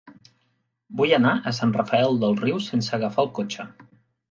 Vull anar a Sant Rafel del Riu sense agafar el cotxe.